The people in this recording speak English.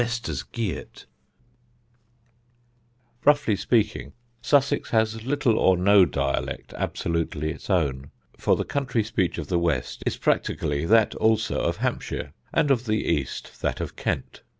[Sidenote: EAST AND WEST] Roughly speaking, Sussex has little or no dialect absolutely its own; for the country speech of the west is practically that also of Hampshire, and of the east, that of Kent.